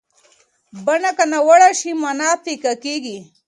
بڼه که ناوړه شي، معنا پیکه کېږي.